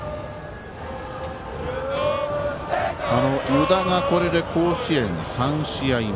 湯田がこれで甲子園３試合目。